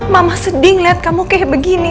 mama sedih ngeliat kamu kayak begini